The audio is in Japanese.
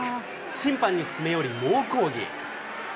審判に詰め寄り、猛抗議。